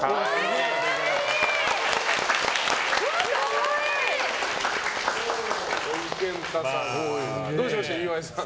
可愛い！どうしました岩井さん。